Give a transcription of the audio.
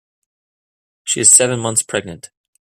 She is seven months pregnant.